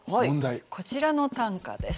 こちらの短歌です。